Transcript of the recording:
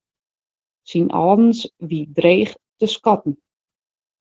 Syn âldens wie dreech te skatten.